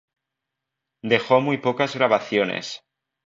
Dejó muy pocas grabaciones.